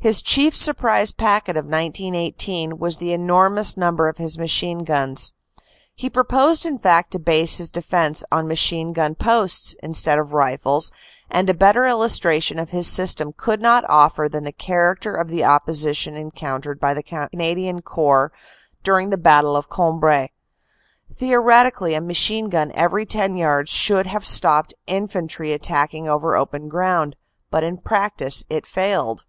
His chief surprise packet of 1918 was the enormous number of his machine guns. He proposed in fact to base his defense on machine gun posts instead of rifles and a better illustration of his system could not offer than the character of the opposi tion encountered by the Canadian Corps during the Battle of Cambrai. Theoretically a machine gun every ten yards should have stopped infantry attacking over open ground but in practice it failed.